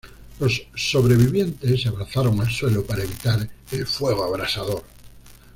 Los sobrevivientes se abrazaron al suelo para evitar el fuego abrasador.